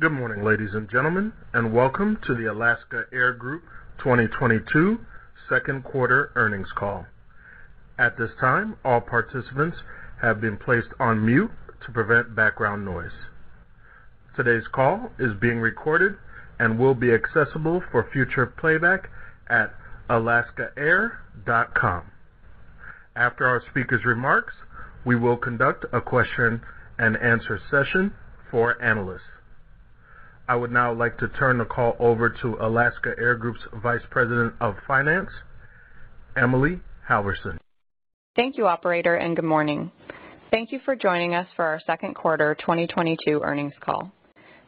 Good morning, ladies and gentlemen, and welcome to the Alaska Air Group 2022 second quarter earnings call. At this time, all participants have been placed on mute to prevent background noise. Today's call is being recorded and will be accessible for future playback at alaskaair.com. After our speakers' remarks, we will conduct a question and answer session for analysts. I would now like to turn the call over to Alaska Air Group's Vice President of Finance, Emily Halverson. Thank you, operator, and good morning. Thank you for joining us for our second quarter 2022 earnings call.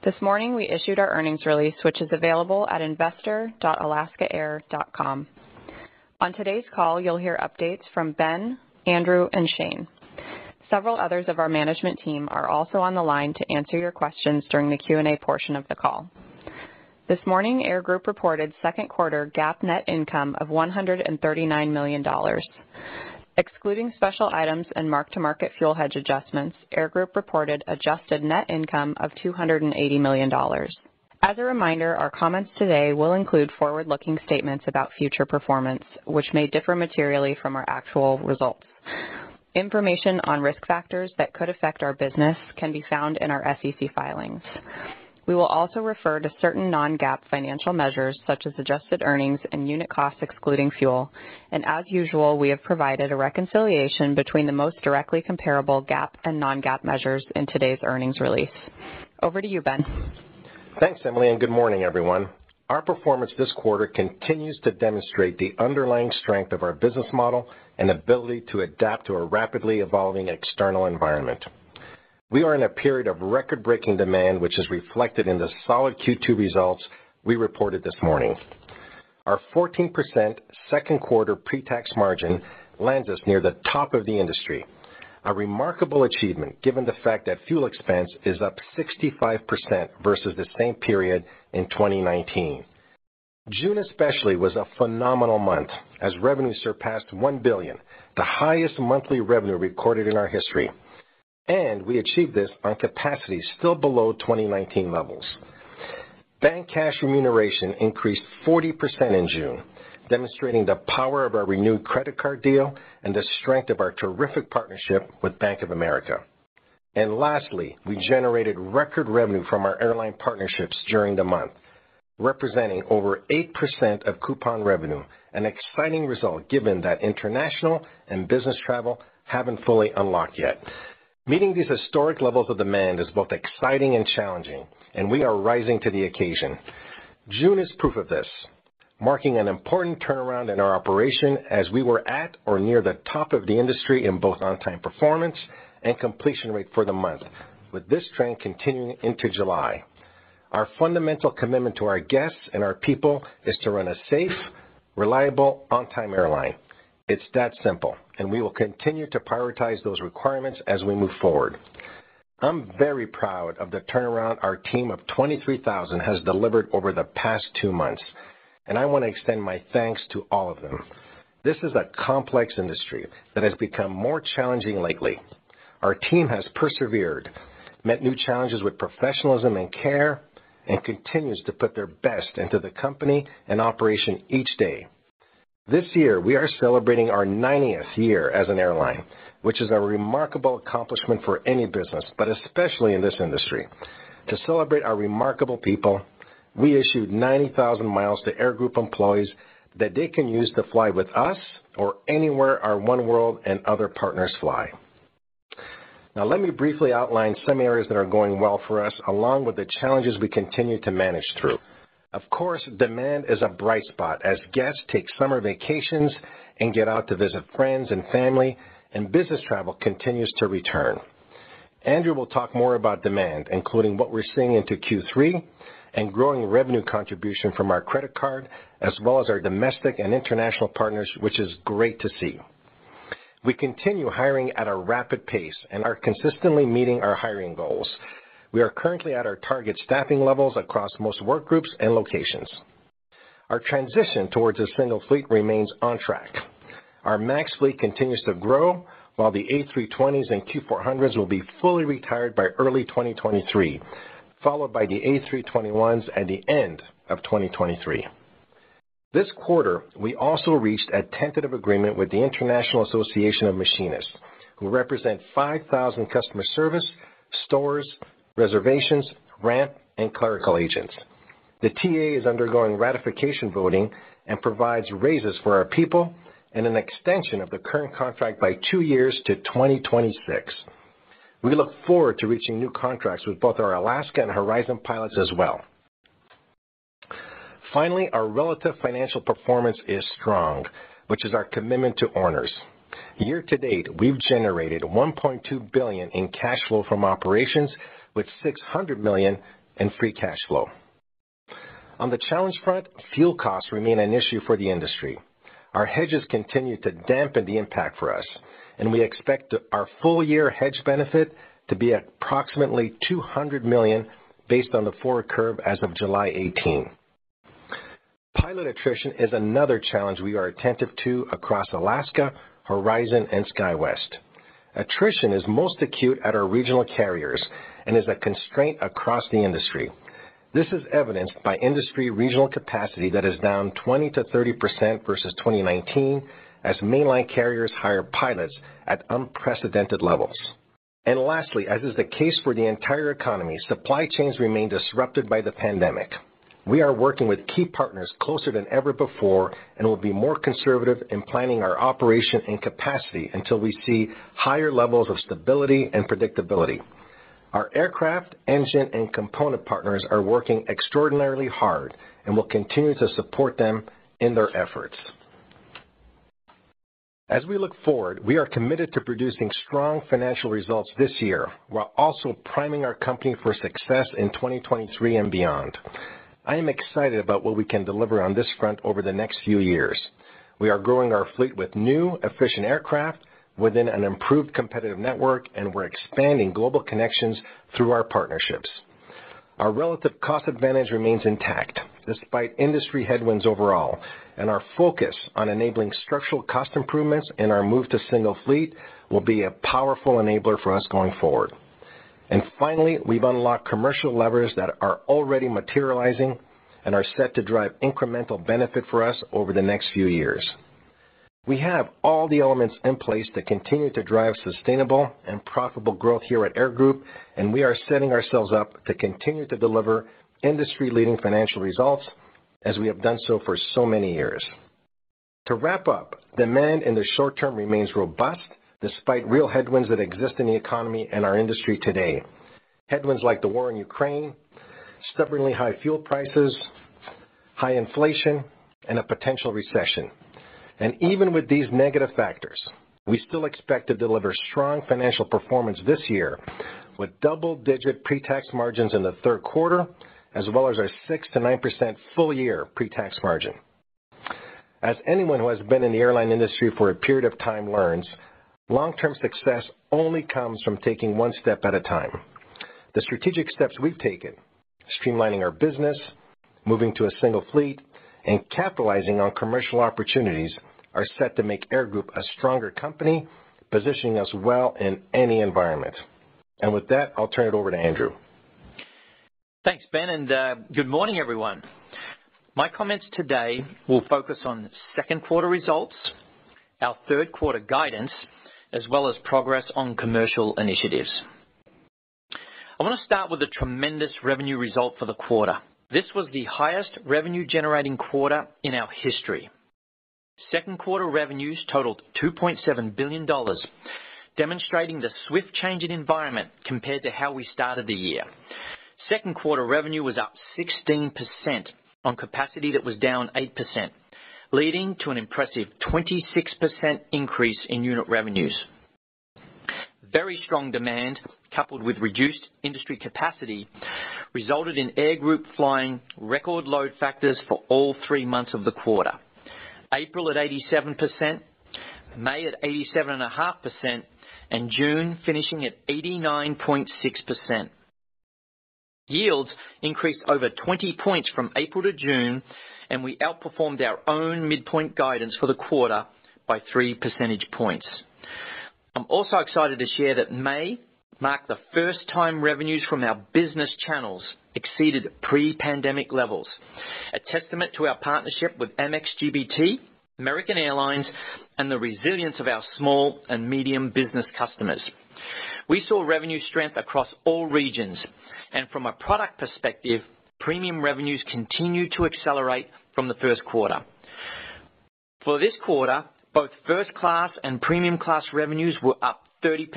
This morning, we issued our earnings release, which is available at investor.alaskaair.com. On today's call, you'll hear updates from Ben Minicucci, Andrew Harrison, and Shane Tackett. Several others of our management team are also on the line to answer your questions during the Q&A portion of the call. This morning, Air Group reported second quarter GAAP net income of $139 million. Excluding special items and mark-to-market fuel hedge adjustments, Air Group reported adjusted net income of $280 million. As a reminder, our comments today will include forward-looking statements about future performance, which may differ materially from our actual results. Information on risk factors that could affect our business can be found in our SEC filings. We will also refer to certain non-GAAP financial measures, such as adjusted earnings and unit costs excluding fuel. As usual, we have provided a reconciliation between the most directly comparable GAAP and non-GAAP measures in today's earnings release. Over to you, Ben. Thanks, Emily, and good morning, everyone. Our performance this quarter continues to demonstrate the underlying strength of our business model and ability to adapt to a rapidly evolving external environment. We are in a period of record-breaking demand, which is reflected in the solid Q2 results we reported this morning. Our 14% second-quarter Pretax Margin lands us near the top of the industry, a remarkable achievement given the fact that fuel expense is up 65% versus the same period in 2019. June especially was a phenomenal month as revenue surpassed $1 billion, the highest monthly revenue recorded in our history. We achieved this on capacity still below 2019 levels. Bank card revenue increased 40% in June, demonstrating the power of our renewed credit card deal and the strength of our terrific partnership with Bank of America. Lastly, we generated record revenue from our airline partnerships during the month, representing over 8% of coupon revenue, an exciting result given that international and business travel haven't fully unlocked yet. Meeting these historic levels of demand is both exciting and challenging, and we are rising to the occasion. June is proof of this, marking an important turnaround in our operation as we were at or near the top of the industry in both on-time performance and completion rate for the month, with this trend continuing into July. Our fundamental commitment to our guests and our people is to run a safe, reliable, on-time airline. It's that simple, and we will continue to prioritize those requirements as we move forward. I'm very proud of the turnaround our team of 23,000 has delivered over the past two months, and I want to extend my thanks to all of them. This is a complex industry that has become more challenging lately. Our team has persevered, met new challenges with professionalism and care, and continues to put their best into the company and operation each day. This year, we are celebrating our 90th year as an airline, which is a remarkable accomplishment for any business, but especially in this industry. To celebrate our remarkable people, we issued 90,000 mi to Air Group employees that they can use to fly with us or anywhere our oneworld and other partners fly. Now, let me briefly outline some areas that are going well for us, along with the challenges we continue to manage through. Of course, demand is a bright spot as guests take summer vacations and get out to visit friends and family, and business travel continues to return. Andrew will talk more about demand, including what we're seeing into Q3 and growing revenue contribution from our credit card, as well as our domestic and international partners, which is great to see. We continue hiring at a rapid pace and are consistently meeting our hiring goals. We are currently at our target staffing levels across most work groups and locations. Our transition towards a single fleet remains on track. Our MAX fleet continues to grow, while the A320s and Q400s will be fully retired by early 2023, followed by the A321neo at the end of 2023. This quarter, we also reached a tentative agreement with the International Association of Machinists, who represent 5,000 customer service, stores, reservations, ramp, and clerical agents. The TA is undergoing ratification voting and provides raises for our people and an extension of the current contract by two years to 2026. We look forward to reaching new contracts with both our Alaska and Horizon pilots as well. Finally, our relative financial performance is strong, which is our commitment to owners. Year to date, we've generated $1.2 billion in cash flow from operations with $600 million in free cash flow. On the challenge front, fuel costs remain an issue for the industry. Our hedges continue to dampen the impact for us, and we expect our full-year hedge benefit to be approximately $200 million based on the forward curve as of July 18. Pilot attrition is another challenge we are attentive to across Alaska, Horizon and SkyWest. Attrition is most acute at our Regional carriers and is a constraint across the industry. This is evidenced by industry Regional capacity that is down 20%-30% versus 2019 as Mainline carriers hire pilots at unprecedented levels. Lastly, as is the case for the entire economy, supply chains remain disrupted by the pandemic. We are working with key partners closer than ever before and will be more conservative in planning our operation and capacity until we see higher levels of stability and predictability. Our aircraft, engine and component partners are working extraordinarily hard and will continue to support them in their efforts. As we look forward, we are committed to producing strong financial results this year while also priming our company for success in 2023 and beyond. I am excited about what we can deliver on this front over the next few years. We are growing our fleet with new efficient aircraft within an improved competitive network, and we're expanding global connections through our partnerships. Our relative cost advantage remains intact despite industry headwinds overall, and our focus on enabling structural cost improvements and our move to single fleet will be a powerful enabler for us going forward. Finally, we've unlocked commercial levers that are already materializing and are set to drive incremental benefit for us over the next few years. We have all the elements in place to continue to drive sustainable and profitable growth here at Air Group, and we are setting ourselves up to continue to deliver industry leading financial results as we have done so for so many years. To wrap up, demand in the short term remains robust despite real headwinds that exist in the economy and our industry today. Headwinds like the war in Ukraine, stubbornly high fuel prices, high inflation and a potential recession. Even with these negative factors, we still expect to deliver strong financial performance this year with double-digit Pretax Margins in the third quarter, as well as our 6%-9% full year Pretax Margin. As anyone who has been in the airline industry for a period of time learns, long-term success only comes from taking one step at a time. The strategic steps we've taken, streamlining our business, moving to a single fleet, and capitalizing on commercial opportunities, are set to make Air Group a stronger company, positioning us well in any environment. With that, I'll turn it over to Andrew. Thanks, Ben, and good morning, everyone. My comments today will focus on second quarter results, our third quarter guidance, as well as progress on commercial initiatives. I want to start with a tremendous revenue result for the quarter. This was the highest revenue generating quarter in our history. Second quarter revenues totaled $2.7 billion, demonstrating the swift change in environment compared to how we started the year. Second quarter revenue was up 16% on capacity that was down 8%, leading to an impressive 26% increase in unit revenues. Very strong demand, coupled with reduced industry capacity, resulted in Air Group flying record load factors for all three months of the quarter. April at 87%, May at 87.5%, and June finishing at 89.6%. Yields increased over 20 points from April to June, and we outperformed our own midpoint guidance for the quarter by three percentage points. I'm also excited to share that May marked the first time revenues from our business channels exceeded pre-pandemic levels, a testament to our partnership with Amex GBT, American Airlines, and the resilience of our small and medium business customers. We saw revenue strength across all regions, and from a product perspective, premium revenues continued to accelerate from the first quarter. For this quarter, both first class and premium class revenues were up 30%,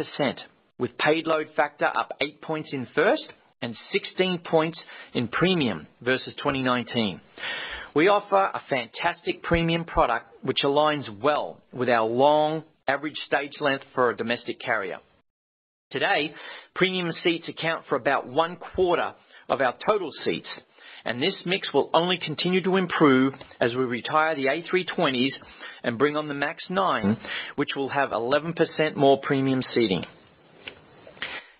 with paid load factor up eight points in first and 16 points in premium versus 2019. We offer a fantastic premium product which aligns well with our long average stage length for a domestic carrier. Today, premium seats account for about one quarter of our total seats, and this mix will only continue to improve as we retire the A320s and bring on the Boeing 737-9 MAX, which will have 11% more premium seating.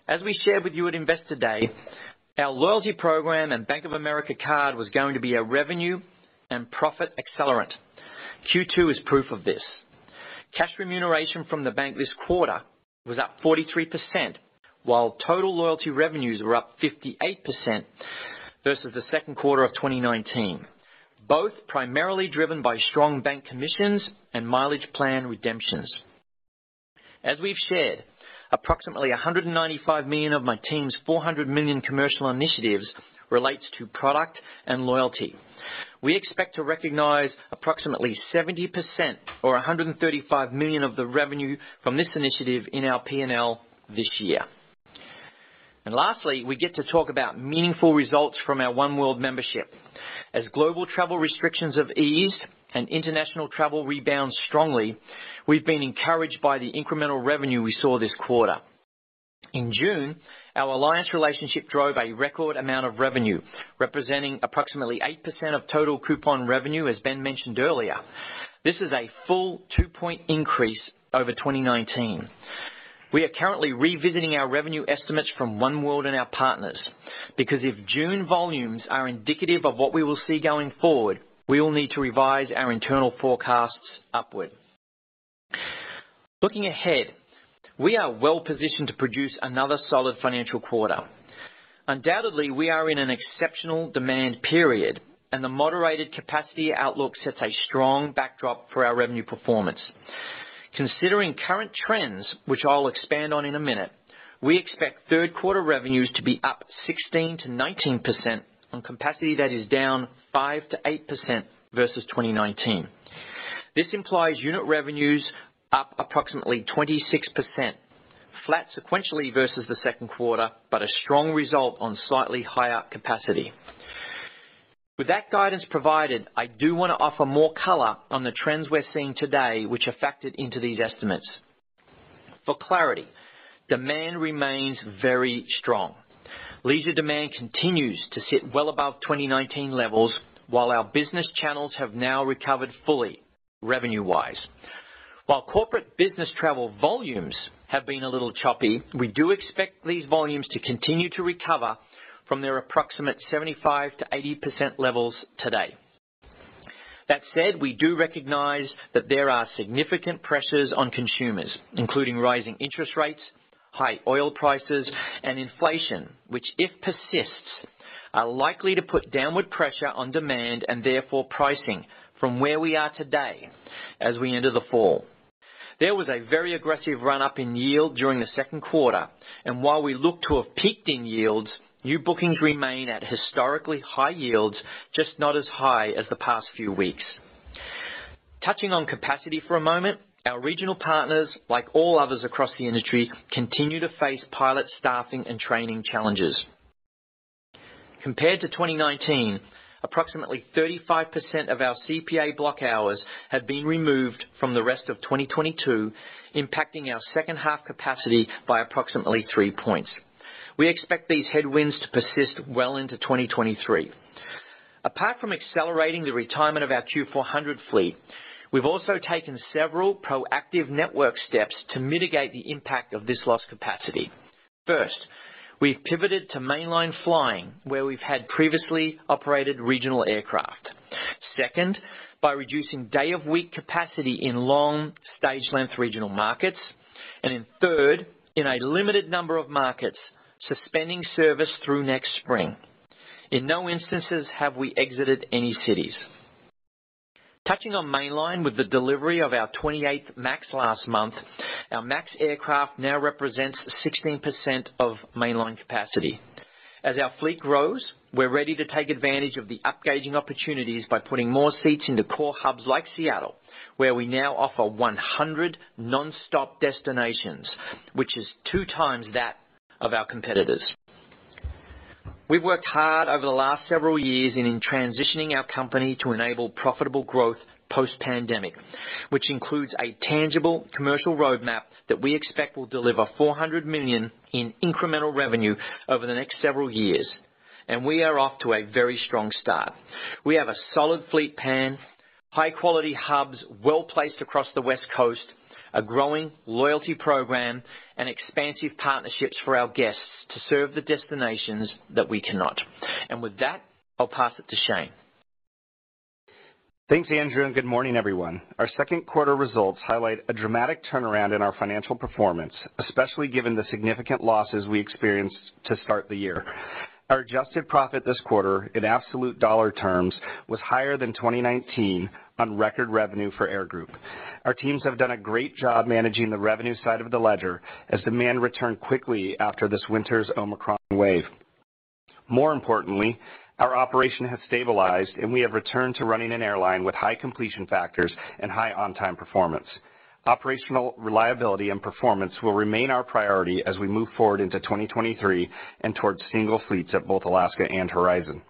As we shared with you at Investor Day, our loyalty program and Bank of America card was going to be a revenue and profit accelerant. Q2 is proof of this. Cash remuneration from the bank this quarter was up 43%, while total loyalty revenues were up 58% versus Q2 2019, both primarily driven by strong bank commissions and Mileage Plan redemptions. As we've shared, approximately $195 million of my team's $400 million commercial initiatives relates to product and loyalty. We expect to recognize approximately 70% or $135 million of the revenue from this initiative in our P&L this year. Lastly, we get to talk about meaningful results from our oneworld membership. As global travel restrictions have eased and international travel rebounds strongly, we've been encouraged by the incremental revenue we saw this quarter. In June, our alliance relationship drove a record amount of revenue, representing approximately 8% of total coupon revenue, as Ben mentioned earlier. This is a full 2-point increase over 2019. We are currently revisiting our revenue estimates from oneworld and our partners because if June volumes are indicative of what we will see going forward, we will need to revise our internal forecasts upward. Looking ahead, we are well-positioned to produce another solid financial quarter. Undoubtedly, we are in an exceptional demand period, and the moderated capacity outlook sets a strong backdrop for our revenue performance. Considering current trends, which I'll expand on in a minute, we expect third quarter revenues to be up 16%-19% on capacity that is down 5%-8% versus 2019. This implies unit revenues up approximately 26%, flat sequentially versus the second quarter, but a strong result on slightly higher capacity. With that guidance provided, I do wanna offer more color on the trends we're seeing today which are factored into these estimates. For clarity, demand remains very strong. Leisure demand continues to sit well above 2019 levels, while our business channels have now recovered fully revenue-wise. While corporate business travel volumes have been a little choppy, we do expect these volumes to continue to recover from their approximate 75%-80% levels today. That said, we do recognize that there are significant pressures on consumers, including rising interest rates, high oil prices, and inflation, which if persists, are likely to put downward pressure on demand and therefore pricing from where we are today as we enter the fall. There was a very aggressive run-up in yield during the second quarter, and while we look to have peaked in yields, new bookings remain at historically high yields, just not as high as the past few weeks. Touching on capacity for a moment, our Regional partners, like all others across the industry, continue to face pilot staffing and training challenges. Compared to 2019, approximately 35% of our CPA block hours have been removed from the rest of 2022, impacting our second half capacity by approximately three points. We expect these headwinds to persist well into 2023. Apart from accelerating the retirement of our Q400 fleet, we've also taken several proactive network steps to mitigate the impact of this lost capacity. First, we've pivoted to Mainline flying where we've had previously operated Regional aircraft. Second, by reducing day-of-week capacity in long stage length Regional markets, and then third, in a limited number of markets, suspending service through next spring. In no instances have we exited any cities. Touching on Mainline with the delivery of our 28th MAX last month, our MAX aircraft now represents 16% of Mainline capacity. As our fleet grows, we're ready to take advantage of the upgauging opportunities by putting more seats into core hubs like Seattle, where we now offer 100 nonstop destinations, which is 2x that of our competitors. We've worked hard over the last several years in transitioning our company to enable profitable growth post-pandemic, which includes a tangible commercial roadmap that we expect will deliver $400 million in incremental revenue over the next several years. We are off to a very strong start. We have a solid fleet plan, high-quality hubs well-placed across the West Coast, a growing loyalty program, and expansive partnerships for our guests to serve the destinations that we cannot. With that, I'll pass it to Shane. Thanks, Andrew, and good morning, everyone. Our second quarter results highlight a dramatic turnaround in our financial performance, especially given the significant losses we experienced to start the year. Our adjusted profit this quarter in absolute dollar terms was higher than 2019 on record revenue for Air Group. Our teams have done a great job managing the revenue side of the ledger as demand returned quickly after this winter's Omicron wave. More importantly, our operation has stabilized, and we have returned to running an airline with high completion factors and high on-time performance. Operational reliability and performance will remain our priority as we move forward into 2023 and towards single fleets at both Alaska and Horizon.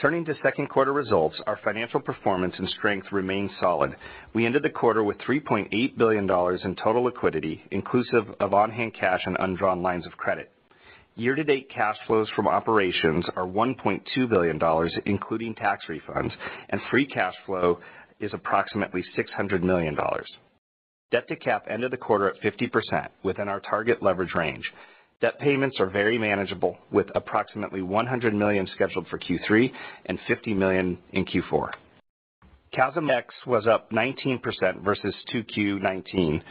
Turning to second quarter results, our financial performance and strength remain solid. We ended the quarter with $3.8 billion in total liquidity, inclusive of on-hand cash and undrawn lines of credit. Year-to-date cash flows from operations are $1.2 billion, including tax refunds, and free cash flow is approximately $600 million. Debt to cap ended the quarter at 50% within our target leverage range. Debt payments are very manageable, with approximately $100 million scheduled for Q3 and $50 million in Q4. CASMex was up 19% versus 2Q 2019.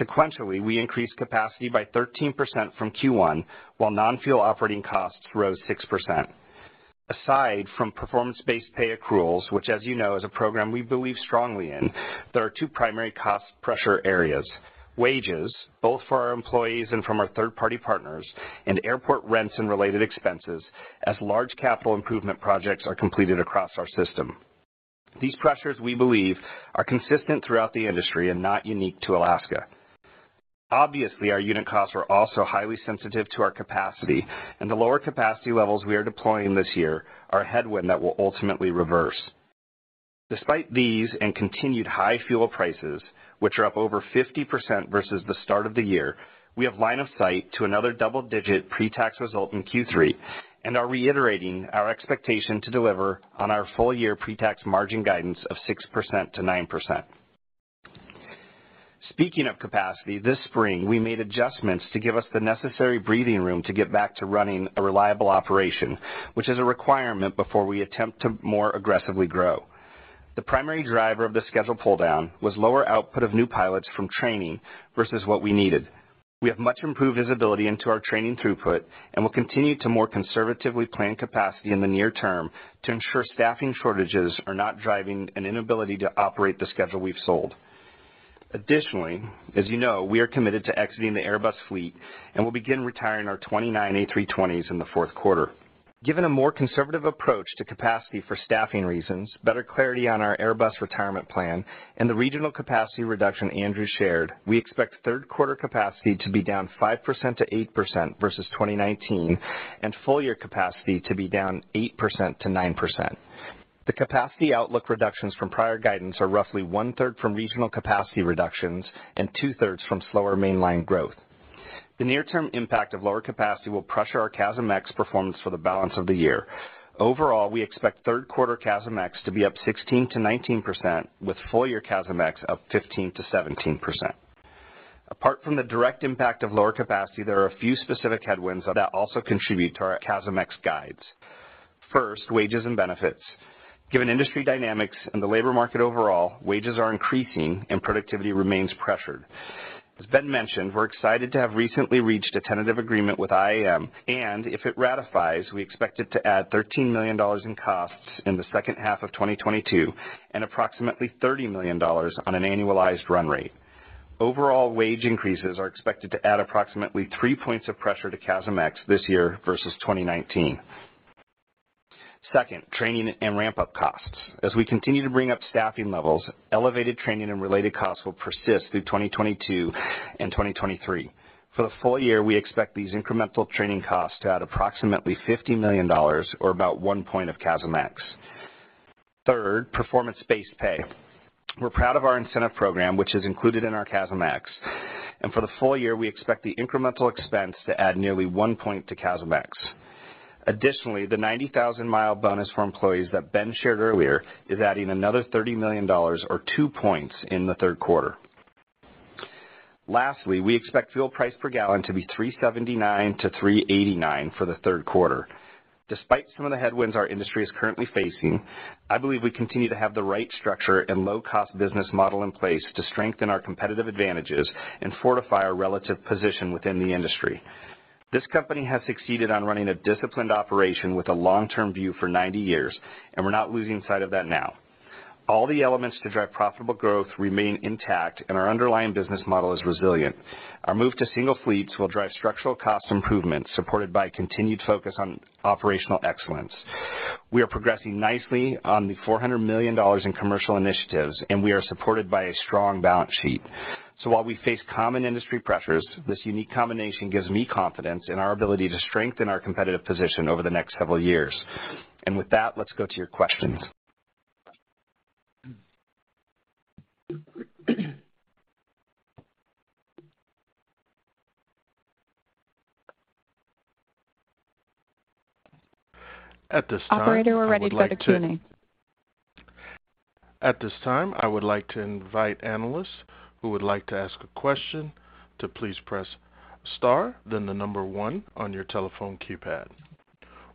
Sequentially, we increased capacity by 13% from Q1, while non-fuel operating costs rose 6%. Aside from Performance Based Pay accruals, which as you know, is a program we believe strongly in, there are two primary cost pressure areas. Wages, both for our employees and from our third-party partners, and airport rents and related expenses as large capital improvement projects are completed across our system. These pressures, we believe, are consistent throughout the industry and not unique to Alaska. Obviously, our unit costs are also highly sensitive to our capacity, and the lower capacity levels we are deploying this year are a headwind that will ultimately reverse. Despite these and continued high fuel prices, which are up over 50% versus the start of the year, we have line of sight to another double-digit pretax result in Q3 and are reiterating our expectation to deliver on our full-year Pretax Margin guidance of 6%-9%. Speaking of capacity, this spring, we made adjustments to give us the necessary breathing room to get back to running a reliable operation, which is a requirement before we attempt to more aggressively grow. The primary driver of the schedule pull-down was lower output of new pilots from training versus what we needed. We have much improved visibility into our training throughput and will continue to more conservatively plan capacity in the near term to ensure staffing shortages are not driving an inability to operate the schedule we've sold. Additionally, as you know, we are committed to exiting the Airbus fleet, and we'll begin retiring our 29 A320s in the fourth quarter. Given a more conservative approach to capacity for staffing reasons, better clarity on our Airbus retirement plan and the Regional capacity reduction Andrew shared, we expect third quarter capacity to be down 5%-8% versus 2019, and full year capacity to be down 8%-9%. The capacity outlook reductions from prior guidance are roughly one-third from Regional capacity reductions and two-thirds from slower Mainline growth. The near-term impact of lower capacity will pressure our CASMex performance for the balance of the year. Overall, we expect third quarter CASMex to be up 16%-19%, with full year CASMex up 15%-17%. Apart from the direct impact of lower capacity, there are a few specific headwinds that also contribute to our CASMex guidance. First, wages and benefits. Given industry dynamics and the labor market overall, wages are increasing and productivity remains pressured. As Ben mentioned, we're excited to have recently reached a tentative agreement with IAM, and if it ratifies, we expect it to add $13 million in costs in the second half of 2022 and approximately $30 million on an annualized run rate. Overall wage increases are expected to add approximately three points of pressure to CASMex this year versus 2019. Second, training and ramp-up costs. As we continue to bring up staffing levels, elevated training and related costs will persist through 2022 and 2023. For the full year, we expect these incremental training costs to add approximately $50 million or about one point of CASMex. Third, Performance Based Pay. We're proud of our incentive program, which is included in our CASMex, and for the full year, we expect the incremental expense to add nearly one point to CASMex. Additionally, the 90,000 mi bonus for employees that Ben shared earlier is adding another $30 million or two points in the third quarter. Lastly, we expect fuel price per gallon to be $3.79-$3.89 for the third quarter. Despite some of the headwinds our industry is currently facing, I believe we continue to have the right structure and low-cost business model in place to strengthen our competitive advantages and fortify our relative position within the industry. This company has succeeded on running a disciplined operation with a long-term view for 90 years, and we're not losing sight of that now. All the elements to drive profitable growth remain intact, and our underlying business model is resilient. Our move to single fleets will drive structural cost improvements, supported by continued focus on operational excellence. We are progressing nicely on the $400 million in commercial initiatives, and we are supported by a strong balance sheet. While we face common industry pressures, this unique combination gives me confidence in our ability to strengthen our competitive position over the next several years. With that, let's go to your questions. At this time, I would like to. Operator, we're ready for the Q&A. At this time, I would like to invite analysts who would like to ask a question to please press star, then the number one on your telephone keypad.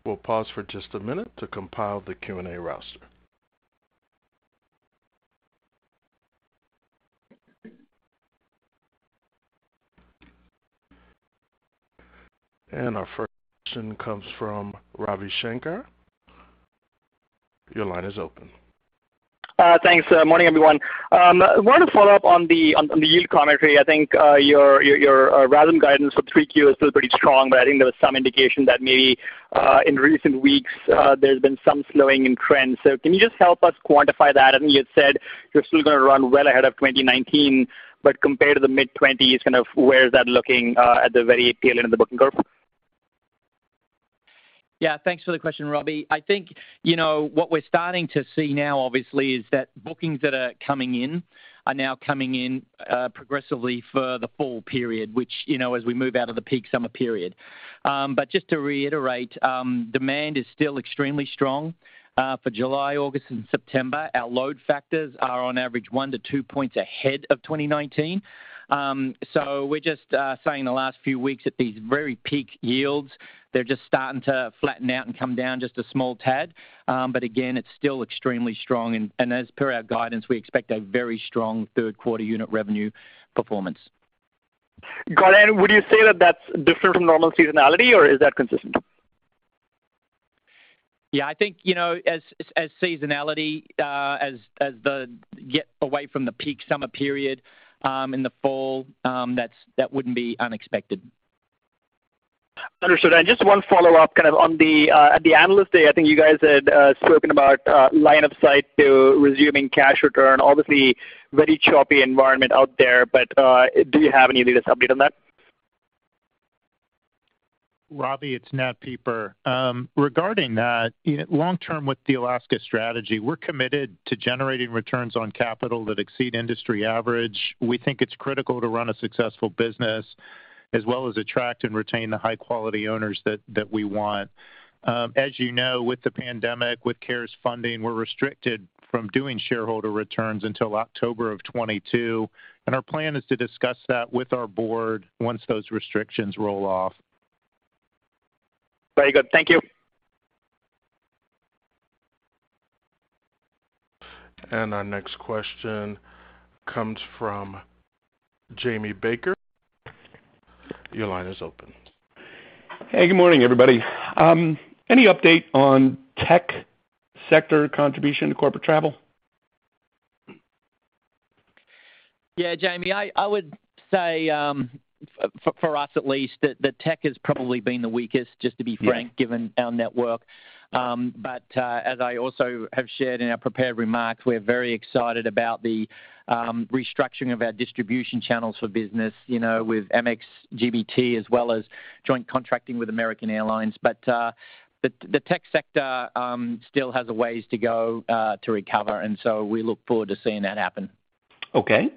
We'll pause for just a minute to compile the Q&A roster. Our first question comes from Ravi Shanker. Your line is open. Thanks. Morning, everyone. I wanted to follow up on the yield commentary. I think your RASM guidance for 3Q is still pretty strong, but I think there was some indication that maybe in recent weeks there's been some slowing in trends. Can you just help us quantify that? I think you had said you're still gonna run well ahead of 2019, but compared to the mid-20s, kind of where is that looking at the very tail end of the booking curve? Yeah. Thanks for the question, Ravi. I think, you know, what we're starting to see now, obviously, is that bookings that are coming in are now coming in progressively for the fall period, which, you know, as we move out of the peak summer period. But just to reiterate, demand is still extremely strong for July, August and September. Our load factors are on average 1-2 points ahead of 2019. So we're just saying the last few weeks at these very peak yields, they're just starting to flatten out and come down just a small tad. But again, it's still extremely strong and, as per our guidance, we expect a very strong third quarter unit revenue performance. Got it. Would you say that that's different from normal seasonality or is that consistent? Yeah, I think, you know, as seasonality, as we get away from the peak summer period in the fall, that wouldn't be unexpected. Understood. Just one follow-up kind of at the Investor Day, I think you guys had spoken about line of sight to resuming cash return. Obviously, very choppy environment out there, but do you have any latest update on that? Ravi, it's Nat Pieper. Regarding that, you know, long term with the Alaska strategy, we're committed to generating returns on capital that exceed industry average. We think it's critical to run a successful business as well as attract and retain the high-quality owners that we want. As you know, with the pandemic, with CARES funding, we're restricted from doing shareholder returns until October of 2022, and our plan is to discuss that with our board once those restrictions roll off. Very good. Thank you. Our next question comes from Jamie Baker. Your line is open. Hey, good morning, everybody. Any update on tech sector contribution to corporate travel? Yeah, Jamie, I would say, for us at least, that tech has probably been the weakest, just to be frank. Yeah Given our network. As I also have shared in our prepared remarks, we're very excited about the restructuring of our distribution channels for business, you know, with Amex GBT, as well as joint contracting with American Airlines. The tech sector still has a ways to go to recover, and so we look forward to seeing that happen. Okay.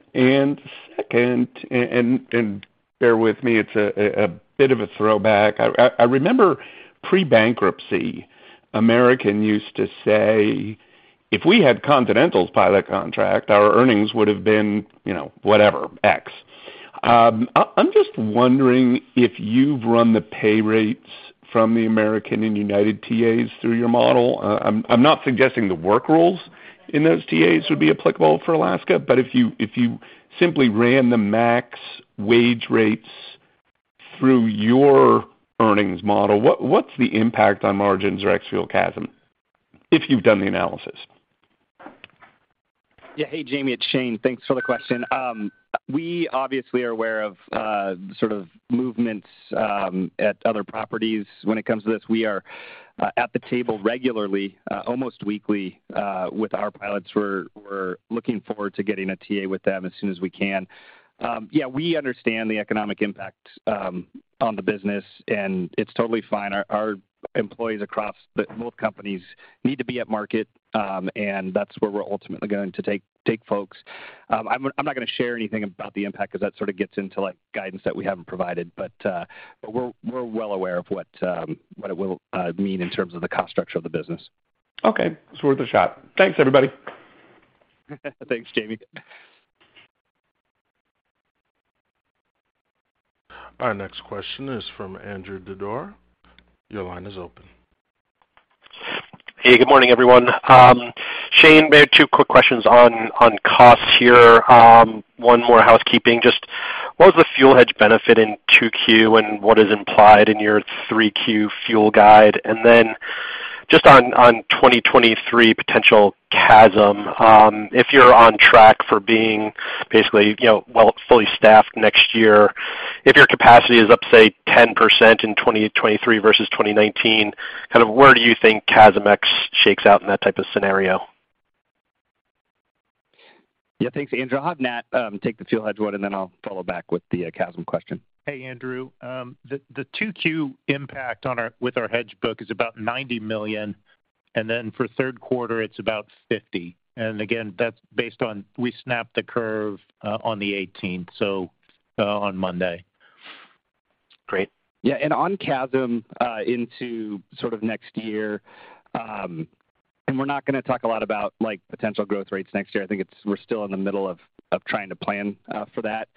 Bear with me, it's a bit of a throwback. I remember pre-bankruptcy, American Airlines used to say, "If we had Continental's pilot contract, our earnings would have been, you know, whatever, X." I'm just wondering if you've run the pay rates from the American Airlines and United Airlines TAs through your model. I'm not suggesting the work rules in those TAs would be applicable for Alaska, but if you simply ran the max wage rates through your earnings model, what's the impact on margins or CASMex, if you've done the analysis? Yeah. Hey, Jamie, it's Shane. Thanks for the question. We obviously are aware of sort of movements at other properties when it comes to this. We are at the table regularly, almost weekly, with our pilots. We're looking forward to getting a TA with them as soon as we can. Yeah, we understand the economic impact on the business, and it's totally fine. Our employees across the both companies need to be at market, and that's where we're ultimately going to take folks. I'm not gonna share anything about the impact because that sort of gets into, like, guidance that we haven't provided. But we're well aware of what it will mean in terms of the cost structure of the business. Okay. It's worth a shot. Thanks, everybody. Thanks, Jamie. Our next question is from Andrew Didora. Your line is open. Hey, good morning, everyone. Shane, two quick questions on costs here. One more housekeeping. Just what was the fuel hedge benefit in 2Q and what is implied in your 3Q fuel guide? Then just on 2023 potential CASM, if you're on track for being basically, you know, well, fully staffed next year, if your capacity is up, say 10% in 2023 versus 2019, kind of where do you think CASMex shakes out in that type of scenario? Yeah, thanks, Andrew. I'll have Nat take the fuel hedge one, and then I'll follow back with the CASM question. Hey, Andrew. The 2Q impact with our hedge book is about $90 million, and then for third quarter it's about $50 million. Again, that's based on we snapped the curve on the 18th, so on Monday. Great. Yeah. On CASM, into sort of next year, and we're not gonna talk a lot about like potential growth rates next year. I think we're still in the middle of trying to plan for that.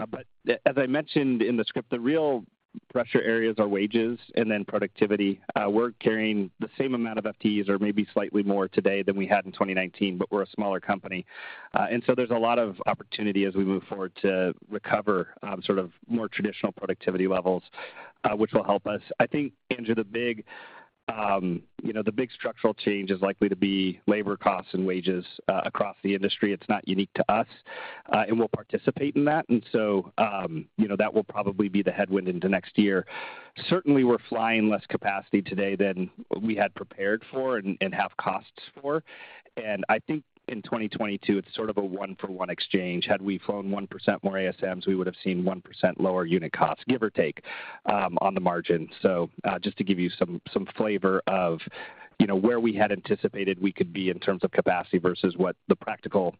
As I mentioned in the script, the real pressure areas are wages and then productivity. We're carrying the same amount of FTEs or maybe slightly more today than we had in 2019, but we're a smaller company. There's a lot of opportunity as we move forward to recover sort of more traditional productivity levels, which will help us. I think, Andrew, the big, you know, the big structural change is likely to be labor costs and wages across the industry. It's not unique to us, and we'll participate in that. You know, that will probably be the headwind into next year. Certainly, we're flying less capacity today than we had prepared for and have costs for. I think in 2022, it's sort of a one for one exchange. Had we flown 1% more ASMs, we would have seen 1% lower unit costs, give or take, on the margin. Just to give you some flavor of where we had anticipated we could be in terms of capacity versus what the practical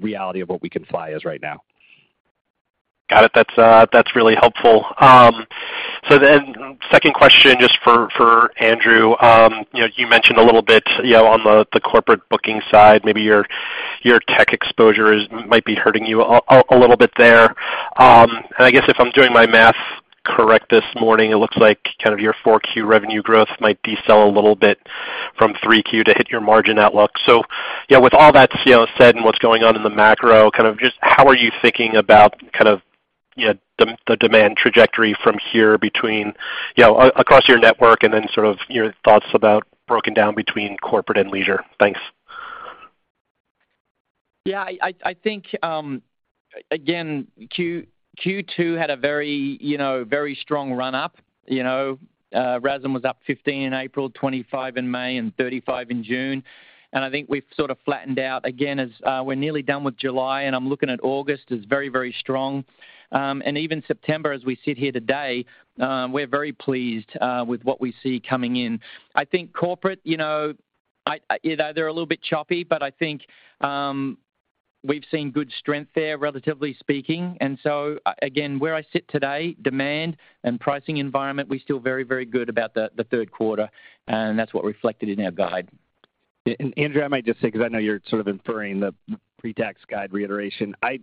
reality of what we can fly is right now. Got it. That's really helpful. Second question, just for Andrew. You know, you mentioned a little bit, you know, on the corporate booking side, maybe your tech exposure might be hurting you a little bit there. I guess if I'm doing my math correct this morning, it looks like your 4Q revenue growth might decelerate a little bit from 3Q to hit your margin outlook. Yeah, with all that, you know, said and what's going on in the macro, how are you thinking about the demand trajectory from here across your network and then your thoughts about broken down between corporate and leisure? Thanks. Yeah, I think again, Q2 had a very, you know, very strong run up. You know, RASM was up 15% in April, 25% in May and 35% in June. I think we've sort of flattened out again as we're nearly done with July, and I'm looking at August as very, very strong. Even September as we sit here today, we're very pleased with what we see coming in. I think corporate, you know, they're a little bit choppy, but I think we've seen good strength there, relatively speaking. Again, where I sit today, demand and pricing environment, we feel very, very good about the third quarter, and that's what reflected in our guide. Andrew, I might just say, because I know you're sort of inferring the pretax guide reiteration. I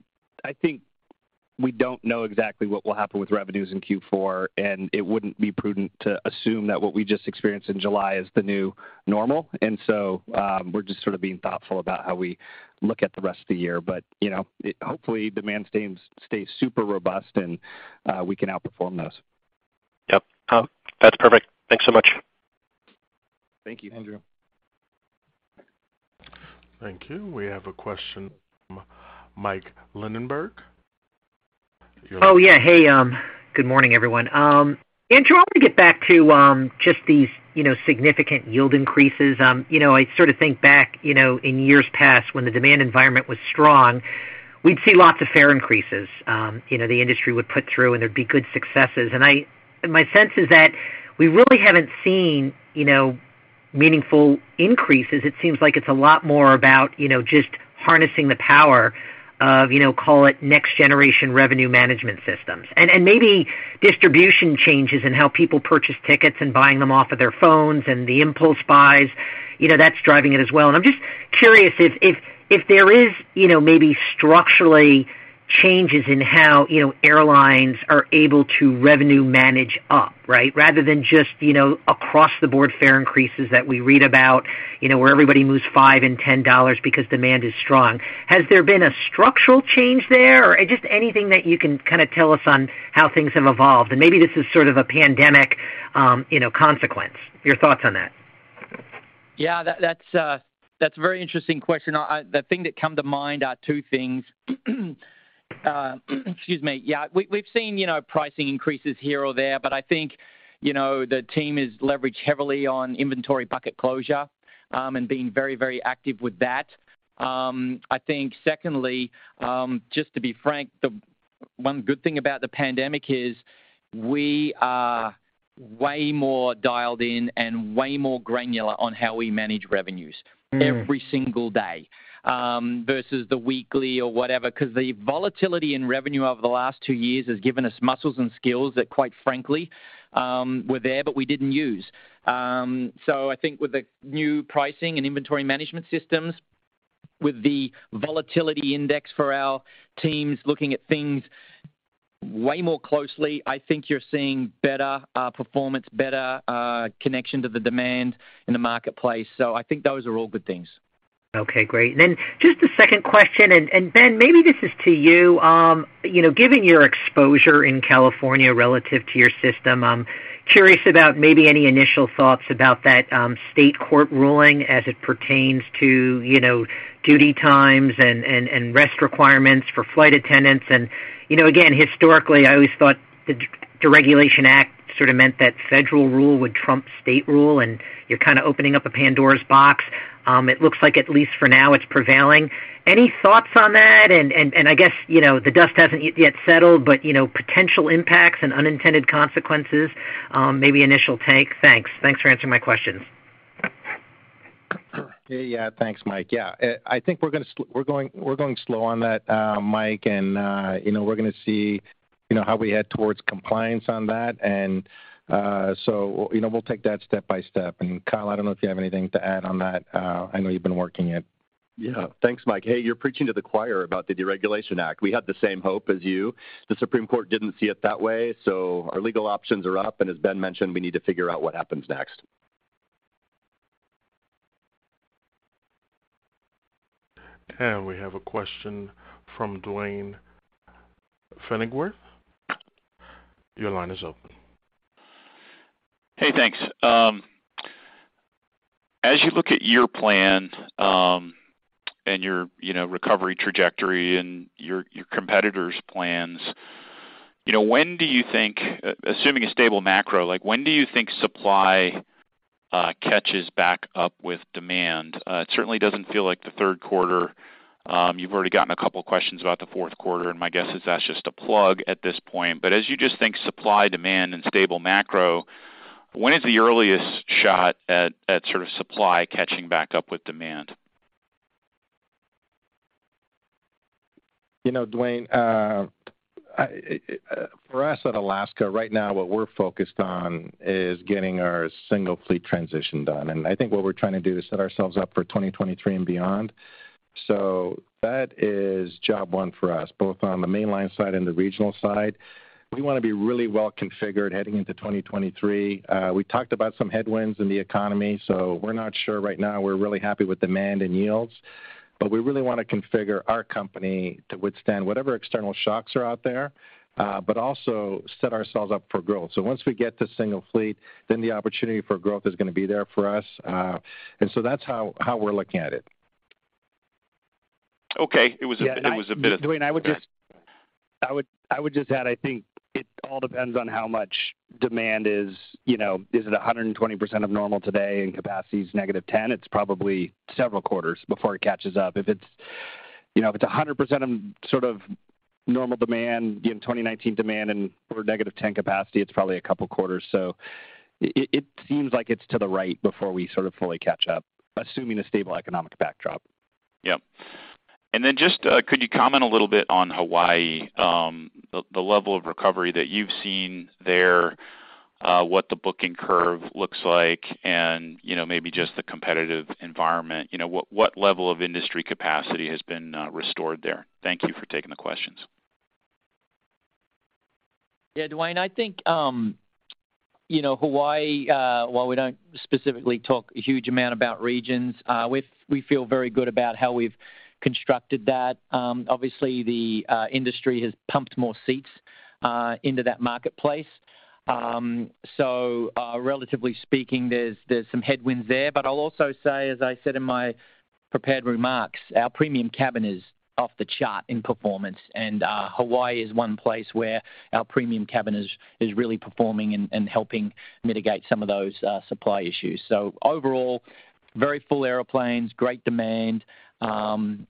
think we don't know exactly what will happen with revenues in Q4, and it wouldn't be prudent to assume that what we just experienced in July is the new normal. We're just sort of being thoughtful about how we look at the rest of the year. You know, hopefully demand stays super robust and we can outperform those. Yep. That's perfect. Thanks so much. Thank you, Andrew. Thank you. We have a question from Mike Linenberg. Oh, yeah. Hey, good morning, everyone. Andrew, I want to get back to just these, you know, significant yield increases. You know, I sort of think back, you know, in years past when the demand environment was strong, we'd see lots of fare increases, you know, the industry would put through and there'd be good successes. My sense is that we really haven't seen, you know, meaningful increases. It seems like it's a lot more about, you know, just harnessing the power of, you know, call it next generation revenue management systems and maybe distribution changes in how people purchase tickets and buying them off of their phones and the impulse buys, you know, that's driving it as well. I'm just curious if there is, you know, maybe structural changes in how, you know, airlines are able to revenue manage up, right? Rather than just, you know, across the board fare increases that we read about, you know, where everybody moves $5 and $10 because demand is strong. Has there been a structural change there or just anything that you can kind of tell us on how things have evolved? Maybe this is sort of a pandemic, you know, consequence. Your thoughts on that? Yeah, that's a very interesting question. The thing that come to mind are two things. Excuse me. Yeah, we've seen, you know, pricing increases here or there, but I think, you know, the team is leveraged heavily on inventory bucket closure, and being very, very active with that. I think secondly, just to be frank, the one good thing about the pandemic is we are way more dialed in and way more granular on how we manage revenues every single day, versus the weekly or whatever, 'cause the volatility in revenue over the last two years has given us muscles and skills that quite frankly, were there, but we didn't use. I think with the new pricing and inventory management systems, with the volatility index for our teams looking at things way more closely, I think you're seeing better performance, better connection to the demand in the marketplace. I think those are all good things. Okay, great. Just a second question, and Ben, maybe this is to you. You know, given your exposure in California relative to your system, I'm curious about maybe any initial thoughts about that, state court ruling as it pertains to, you know, duty times and rest requirements for flight attendants. You know, again, historically, I always thought the Airline Deregulation Act of 1978 sort of meant that federal rule would trump state rule, and you're kind of opening up a Pandora's box. It looks like at least for now, it's prevailing. Any thoughts on that? I guess, you know, the dust hasn't yet settled, but, you know, potential impacts and unintended consequences, maybe initial take. Thanks for answering my questions. Yeah. Thanks, Mike. Yeah. I think we're going slow on that, Mike. You know, we're gonna see how we head towards compliance on that. You know, we'll take that step by step. Kyle, I don't know if you have anything to add on that. I know you've been working it. Yeah. Thanks, Mike. Hey, you're preaching to the choir about the Airline Deregulation Act of 1978. We had the same hope as you. The Supreme Court didn't see it that way, so our legal options are up, and as Ben mentioned, we need to figure out what happens next. We have a question from Duane Pfennigwerth. Your line is open. Hey, thanks. As you look at your plan, and your, you know, recovery trajectory and your competitors' plans, you know, when do you think, assuming a stable macro, like, when do you think supply catches back up with demand? It certainly doesn't feel like the third quarter. You've already gotten a couple of questions about the fourth quarter, and my guess is that's just a plug at this point. As you just think supply, demand, and stable macro, when is the earliest shot at sort of supply catching back up with demand? You know, Duane, for us at Alaska right now, what we're focused on is getting our single fleet transition done. I think what we're trying to do is set ourselves up for 2023 and beyond. That is job one for us, both on the Mainline side and the Regional side. We wanna be really well configured heading into 2023. We talked about some headwinds in the economy, so we're not sure right now. We're really happy with demand and yields, but we really wanna configure our company to withstand whatever external shocks are out there, but also set ourselves up for growth. Once we get to single fleet, then the opportunity for growth is gonna be there for us. That's how we're looking at it. Okay. It was a bit of- Duane, I would just add, I think it all depends on how much demand is. You know, is it 120% of normal today and capacity is -10%? It's probably several quarters before it catches up. If it's, you know, if it's 100% of sort of normal demand in 2019 demand and we're -10% capacity, it's probably a couple quarters. It seems like it's to the right before we sort of fully catch up, assuming a stable economic backdrop. Yep. Just, could you comment a little bit on Hawaii, the level of recovery that you've seen there, what the booking curve looks like and, you know, maybe just the competitive environment. You know, what level of industry capacity has been restored there? Thank you for taking the questions. Yeah, Duane, I think, you know, Hawaii, while we don't specifically talk a huge amount about regions, we feel very good about how we've constructed that. Obviously, the industry has pumped more seats into that marketplace. So, relatively speaking, there's some headwinds there. I'll also say, as I said in my prepared remarks, our premium cabin is off the chart in performance. Hawaii is one place where our premium cabin is really performing and helping mitigate some of those supply issues. Overall, very full airplanes, great demand, and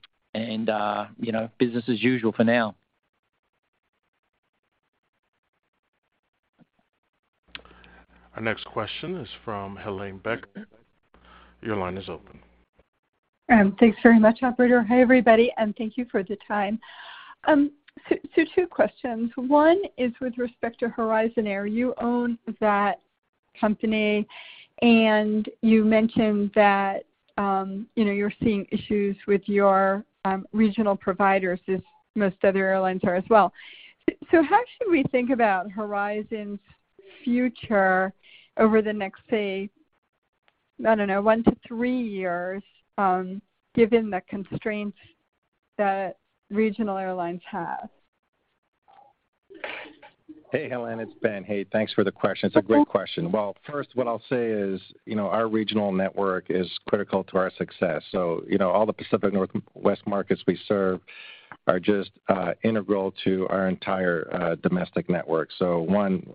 you know, business as usual for now. Our next question is from Helane Becker. Your line is open. Thanks very much, operator. Hi, everybody, and thank you for the time. So two questions. One is with respect to Horizon Air. You own that company, and you mentioned that, you know, you're seeing issues with your Regional providers as most other airlines are as well. So how should we think about Horizon Air's future over the next, say, I don't know, one to three years, given the constraints that Regional airlines have? Hey, Helane, it's Ben. Hey, thanks for the question. Okay. It's a great question. Well, first, what I'll say is, you know, our Regional network is critical to our success. You know, all the Pacific Northwest markets we serve are just integral to our entire domestic network. One,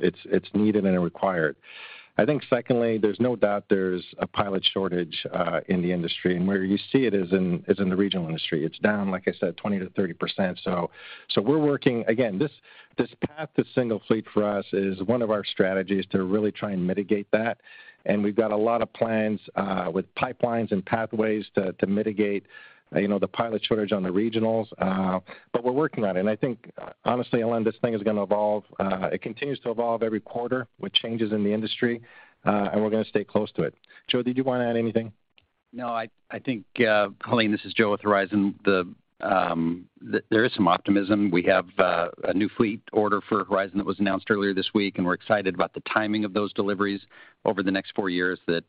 it's needed and required. I think secondly, there's no doubt there's a pilot shortage in the industry. Where you see it is in the Regional industry. It's down, like I said, 20%-30%. We're working again. This path to single fleet for us is one of our strategies to really try and mitigate that. We've got a lot of plans with pipelines and pathways to mitigate, you know, the pilot shortage on the Regionals, but we're working on it. I think honestly, Helane, this thing is gonna evolve. It continues to evolve every quarter with changes in the industry, and we're gonna stay close to it. Joe, did you wanna add anything? No. I think, Helane, this is Joe with Horizon Air. There is some optimism. We have a new fleet order for Horizon Air that was announced earlier this week, and we're excited about the timing of those deliveries over the next four years that,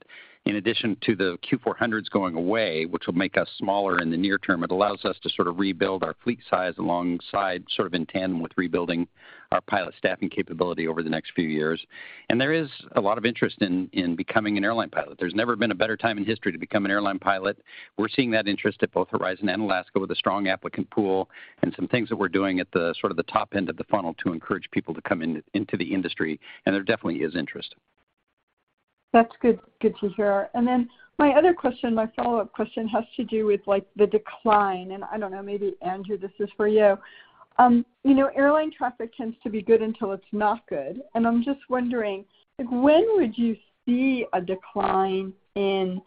in addition to the Q400s going away, which will make us smaller in the near term, it allows us to sort of rebuild our fleet size alongside, sort of in tandem with rebuilding our pilot staffing capability over the next few years. There is a lot of interest in becoming an airline pilot. There's never been a better time in history to become an airline pilot. We're seeing that interest at both Horizon and Alaska with a strong applicant pool and some things that we're doing at the sort of the top end of the funnel to encourage people to come in, into the industry. There definitely is interest. That's good to hear. My other question, my follow-up question has to do with like the decline, and I don't know, maybe, Andrew, this is for you. You know, airline traffic tends to be good until it's not good, and I'm just wondering, like, when would you see a decline in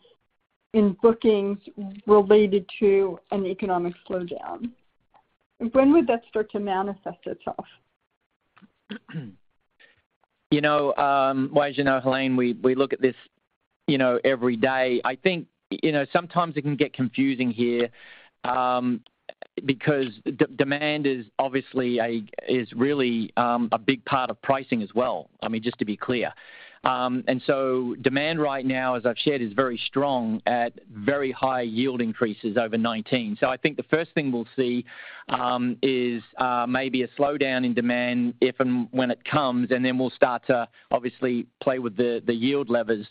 bookings related to an economic slowdown? When would that start to manifest itself? You know, well, as you know, Helane, we look at this, you know, every day. I think, you know, sometimes it can get confusing here, because demand is obviously really a big part of pricing as well, I mean, just to be clear. Demand right now, as I've shared, is very strong at very high yield increases over 19%. I think the first thing we'll see is maybe a slowdown in demand if and when it comes, and then we'll start to obviously play with the yield levers.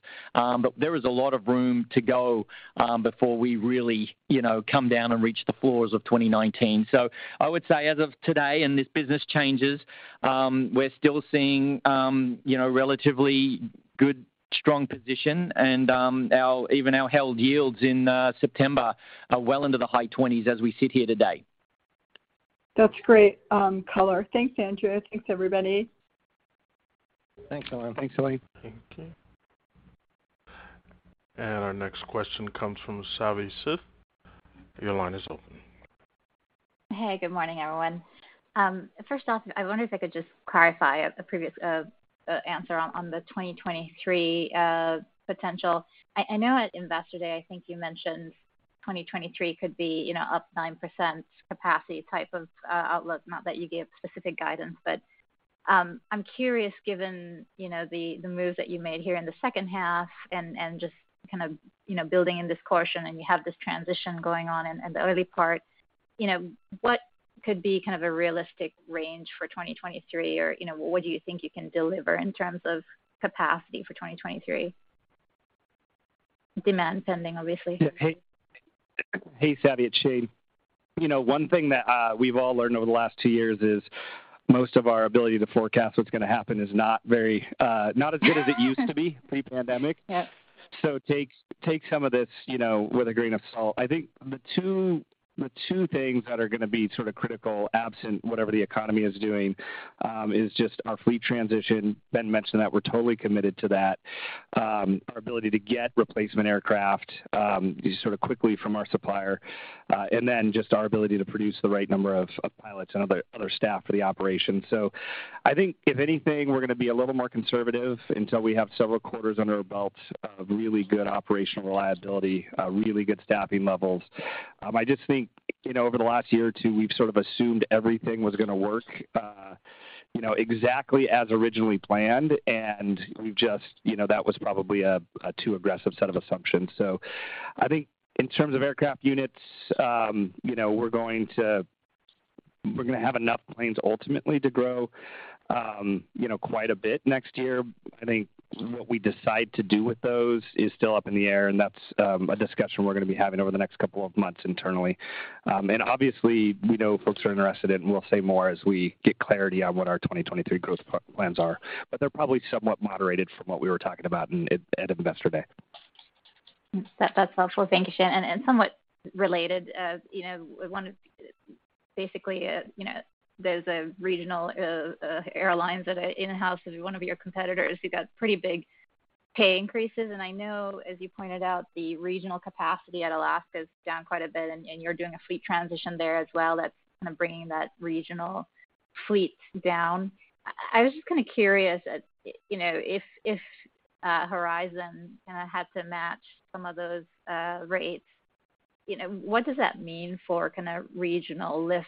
There is a lot of room to go before we really, you know, come down and reach the floors of 2019. I would say as of today, and this business changes, we're still seeing, you know, relatively good, strong position, and even our held yields in September are well into the high 20s as we sit here today. That's great, color. Thanks, Andrew. Thanks, everybody. Thanks, Helane. Thanks, Helane. Thank you. Our next question comes from Savi Syth. Your line is open. Hey, good morning, everyone. First off, I wonder if I could just clarify a previous answer on the 2023 potential. I know at Investor Day, I think you mentioned 2023 could be, you know, up 9% capacity type of outlook, not that you gave specific guidance. I'm curious, given, you know, the moves that you made here in the second half and just kind of, you know, building in this caution, and you have this transition going on in the early part, you know, what could be kind of a realistic range for 2023? Or, you know, what do you think you can deliver in terms of capacity for 2023? Demand pending, obviously. Yeah. Hey, Savi. It's Shane. You know, one thing that we've all learned over the last two years is most of our ability to forecast what's gonna happen is not very not as good as it used to be pre-pandemic. Yep. Take some of this, you know, with a grain of salt. I think the two things that are gonna be sort of critical, absent whatever the economy is doing, is just our fleet transition. Ben mentioned that we're totally committed to that. Our ability to get replacement aircraft, sort of quickly from our supplier. Just our ability to produce the right number of pilots and other staff for the operation. I think if anything, we're gonna be a little more conservative until we have several quarters under our belt of really good operational reliability, really good staffing levels. I just think, you know, over the last year or two, we've sort of assumed everything was gonna work, you know, exactly as originally planned, and we've just, you know, that was probably a too aggressive set of assumptions. I think in terms of aircraft units, you know, we're gonna have enough planes ultimately to grow, you know, quite a bit next year. I think what we decide to do with those is still up in the air, and that's a discussion we're gonna be having over the next couple of months internally. Obviously, we know folks are interested, and we'll say more as we get clarity on what our 2023 growth plans are. They're probably somewhat moderated from what we were talking about at Investor Day. That's helpful. Thank you, Shane. Somewhat related, you know, basically, you know, there's a Regional airlines that are in-house as one of your competitors who got pretty big pay increases. I know, as you pointed out, the Regional capacity at Alaska is down quite a bit, and you're doing a fleet transition there as well that's kind of bringing that Regional fleet down. I was just kind of curious at, you know, if Horizon kinda had to match some of those rates, you know, what does that mean for kinda Regional lift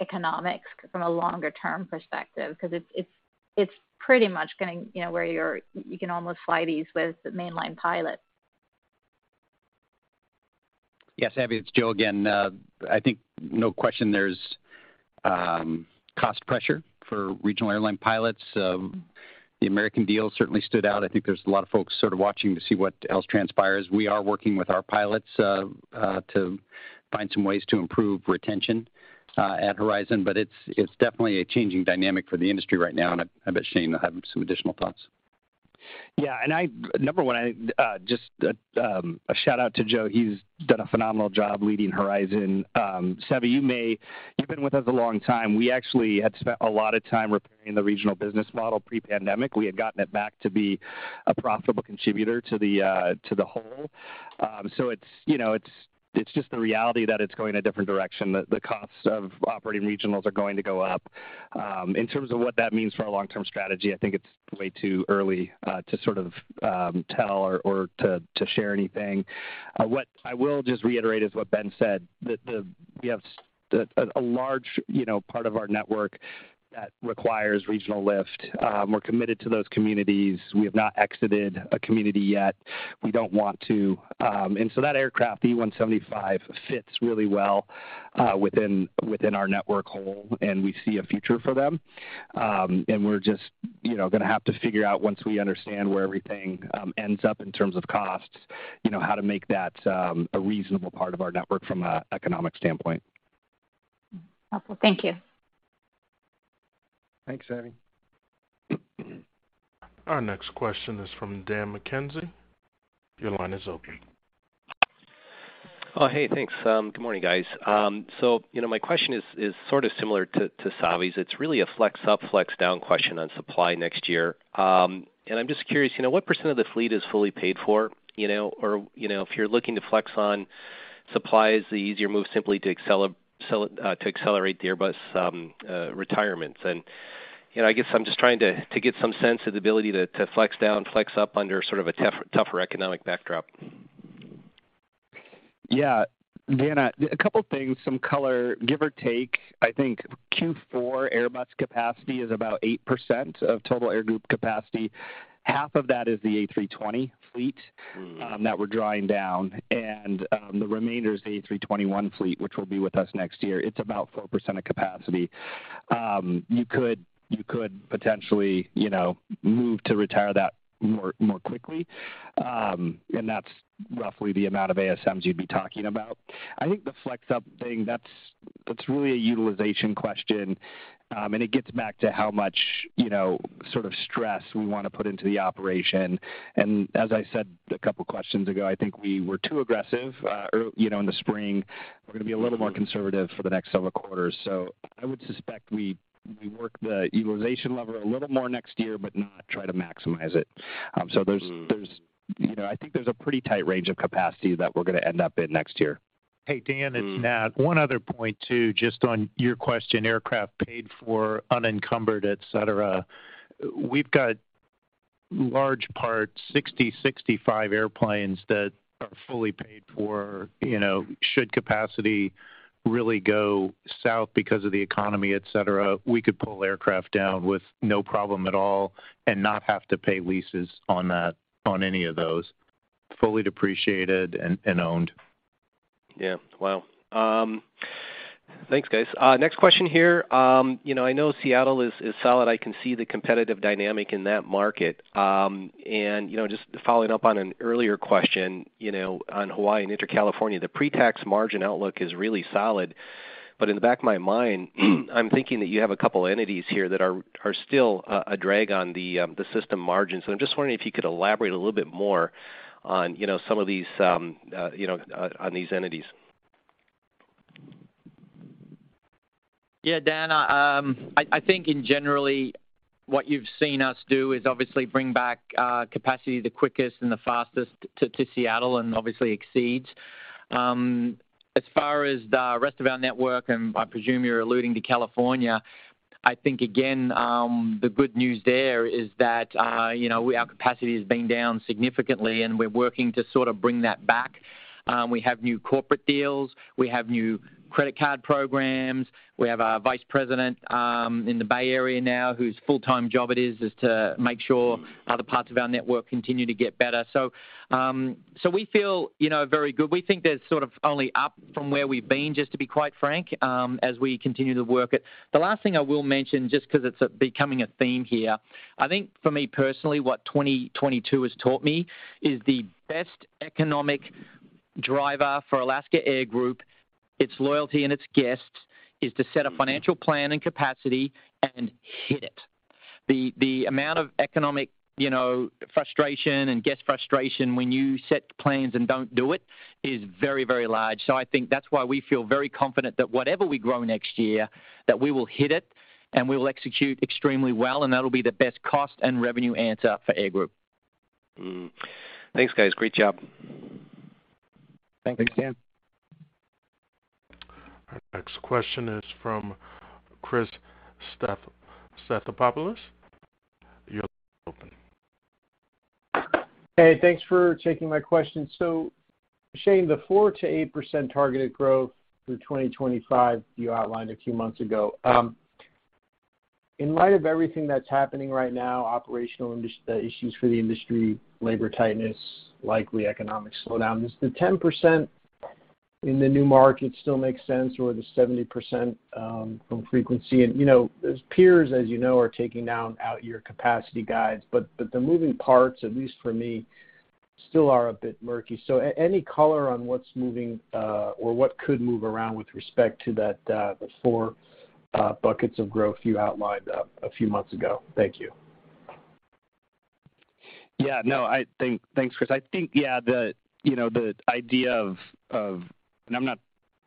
economics from a longer term perspective? 'Cause it's pretty much gonna, you know, you can almost fly these with the Mainline pilot. Yes, Savi, it's Joe again. I think no question there's cost pressure for Regional airline pilots. The American deal certainly stood out. I think there's a lot of folks sort of watching to see what else transpires. We are working with our pilots to find some ways to improve retention at Horizon, but it's definitely a changing dynamic for the industry right now, and I bet Shane will have some additional thoughts. Number one, I just a shout-out to Joe. He's done a phenomenal job leading Horizon. Savi, you've been with us a long time. We actually had spent a lot of time repairing the Regional business model pre-pandemic. We had gotten it back to be a profitable contributor to the whole. It's you know, it's just the reality that it's going a different direction. The costs of operating Regionals are going to go up. In terms of what that means for our long-term strategy, I think it's way too early to sort of tell or to share anything. What I will just reiterate is what Ben said. We have a large, you know, part of our network that requires Regional lift. We're committed to those communities. We have not exited a community yet. We don't want to. That aircraft, the E175, fits really well within our network whole, and we see a future for them. We're just, you know, gonna have to figure out, once we understand where everything ends up in terms of costs, you know, how to make that a reasonable part of our network from an economic standpoint. Helpful. Thank you. Thanks, Savi. Our next question is from Dan McKenzie. Your line is open. Oh, hey, thanks. Good morning, guys. My question is sort of similar to Savi's. It's really a flex up, flex down question on supply next year. I'm just curious, you know, what % of the fleet is fully paid for, you know? Or, you know, if you're looking to flex on supplies, the easier move simply to accelerate the Airbus retirements. I guess I'm just trying to get some sense of the ability to flex down, flex up under sort of a tougher economic backdrop. Yeah. Dan, a couple things, some color, give or take. I think Q4 Airbus capacity is about 8% of total Air Group capacity. Half of that is the A320 fleet. Mm-hmm that we're drawing down, and the remainder is the A321neo fleet, which will be with us next year. It's about 4% of capacity. You could potentially, you know, move to retire that more quickly. That's roughly the amount of ASMs you'd be talking about. I think the flex up thing, that's really a utilization question. It gets back to how much, you know, sort of stress we wanna put into the operation. As I said a couple questions ago, I think we were too aggressive, you know, in the spring. We're gonna be a little more conservative for the next several quarters. I would suspect we work the utilization lever a little more next year, but not try to maximize it. There's Mm-hmm You know, I think there's a pretty tight range of capacity that we're gonna end up in next year. Hey, Dan, it's Nat. One other point, too, just on your question, aircraft paid for unencumbered, et cetera. We've got large part 60-65 airplanes that are fully paid for. You know, should capacity really go south because of the economy, et cetera, we could pull aircraft down with no problem at all and not have to pay leases on that, on any of those. Fully depreciated and owned. Yeah. Wow. Thanks, guys. Next question here. You know, I know Seattle is solid. I can see the competitive dynamic in that market. You know, just following up on an earlier question, you know, on Hawaii and intra-California, the Pretax Margin outlook is really solid. But in the back of my mind, I'm thinking that you have a couple entities here that are still a drag on the system margins. I'm just wondering if you could elaborate a little bit more on, you know, some of these, you know, on these entities. Yeah, Dan, I think in general what you've seen us do is obviously bring back capacity the quickest and the fastest to Seattle and obviously LAX. As far as the rest of our network, I presume you're alluding to California. I think again, the good news there is that you know, our capacity has been down significantly, and we're working to sort of bring that back. We have new corporate deals. We have new credit card programs. We have our vice president in the Bay Area now, whose full-time job it is to make sure other parts of our network continue to get better. We feel you know, very good. We think there's sort of only up from where we've been, just to be quite frank, as we continue to work it. The last thing I will mention, just because it's becoming a theme here, I think for me personally, what 2022 has taught me is the best economic driver for Alaska Air Group, its loyalty and its guests, is to set a financial plan and capacity and hit it. The amount of economic, you know, frustration and guest frustration when you set plans and don't do it is very, very large. I think that's why we feel very confident that whatever we grow next year, that we will hit it and we will execute extremely well, and that'll be the best cost and revenue answer for Air Group. Thanks, guys. Great job. Thank you. Thanks. Our next question is from Chris Stathoulopoulos. Your line is open. Hey, thanks for taking my question. Shane, the 4%-8% targeted growth through 2025 you outlined a few months ago. In light of everything that's happening right now, operational issues for the industry, labor tightness, likely economic slowdowns, does the 10% in the new market still make sense, or the 70% from frequency? You know, as peers, as you know, are taking down out-year capacity guides, but the moving parts, at least for me, still are a bit murky. Any color on what's moving, or what could move around with respect to that, the four buckets of growth you outlined a few months ago. Thank you. Thanks, Chris. I think yeah, you know, the idea of. I'm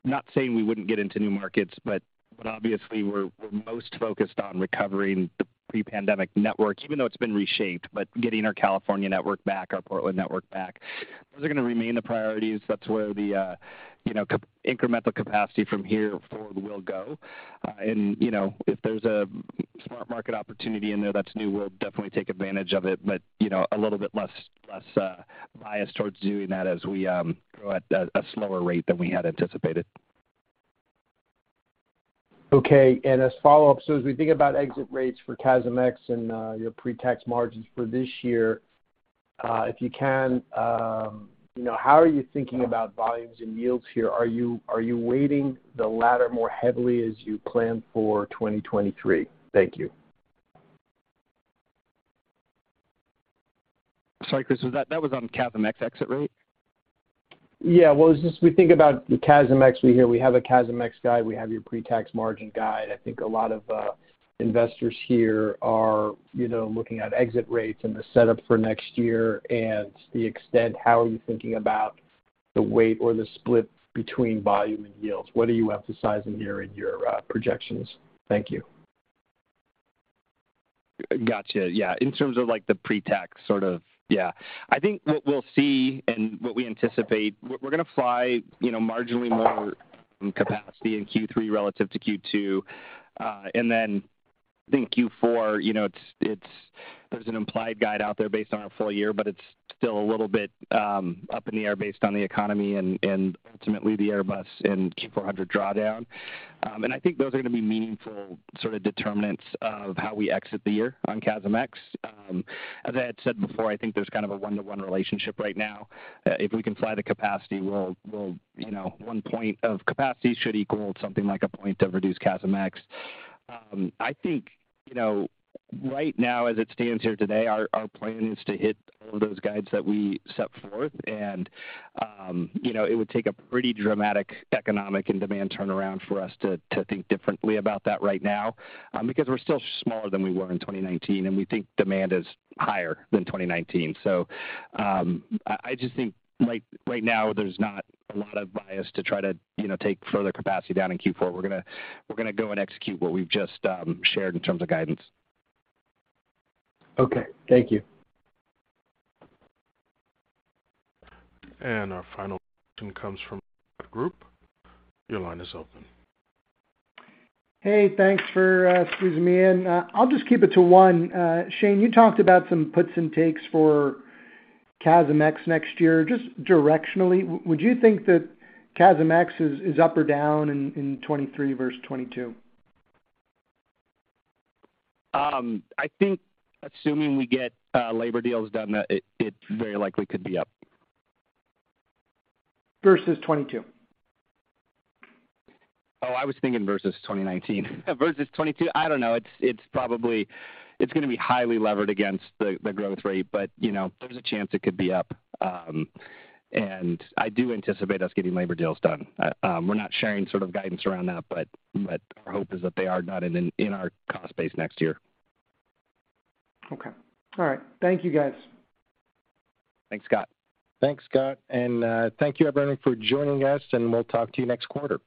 not saying we wouldn't get into new markets, but obviously we're most focused on recovering the pre-pandemic network, even though it's been reshaped, but getting our California network back, our Portland network back. Those are gonna remain the priorities. That's where the, you know, incremental capacity from here forward will go. You know, if there's a smart market opportunity in there that's new, we'll definitely take advantage of it, but, you know, a little bit less bias towards doing that as we grow at a slower rate than we had anticipated. As follow-up, as we think about exit rates for CASMex and your Pretax Margins for this year, if you can, you know, how are you thinking about volumes and yields here? Are you weighting the latter more heavily as you plan for 2023? Thank you. Sorry, Chris, that was on CASMex exit rate? Yeah. Well, it's just we think about the CASMex, we hear we have a CASMex guide, we have your Pretax Margin guide. I think a lot of investors here are, you know, looking at exit rates and the setup for next year and the extent how are you thinking about the weight or the split between volume and yields. What are you emphasizing here in your projections? Thank you. Gotcha. Yeah. In terms of, like, the pretax, sort of, yeah. I think what we'll see and what we anticipate, we're gonna fly, you know, marginally more capacity in Q3 relative to Q2. I think Q4, you know, there's an implied guide out there based on our full year, but it's still a little bit up in the air based on the economy and ultimately the Airbus and Q400 drawdown. I think those are gonna be meaningful sort of determinants of how we exit the year on CASMex. As I had said before, I think there's kind of a one-to-one relationship right now. If we can fly the capacity, we'll, you know, one point of capacity should equal something like a point of reduced CASMex. I think, you know, right now as it stands here today, our plan is to hit all those guides that we set forth. You know, it would take a pretty dramatic economic and demand turnaround for us to think differently about that right now, because we're still smaller than we were in 2019, and we think demand is higher than 2019. I just think like right now, there's not a lot of bias to try to, you know, take further capacity down in Q4. We're gonna go and execute what we've just shared in terms of guidance. Okay. Thank you. Our final question comes from Scott Group. Your line is open. Hey, thanks for squeezing me in. I'll just keep it to one. Shane, you talked about some puts and takes for CASMex next year. Just directionally, would you think that CASMex is up or down in 2023 versus 2022? I think assuming we get labor deals done, it very likely could be up. Versus 2022. Oh, I was thinking versus 2019. Versus 2022? I don't know. It's probably gonna be highly levered against the growth rate, but you know, there's a chance it could be up. I do anticipate us getting labor deals done. We're not sharing sort of guidance around that, but our hope is that they are not in our cost base next year. Okay. All right. Thank you, guys. Thanks, Scott. Thanks, Scott. Thank you everybody for joining us, and we'll talk to you next quarter.